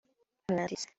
Umwanditsi